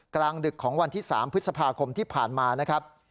กลางดึกของวันที่๓พฤษภาคมที่ผ่านมานะครับ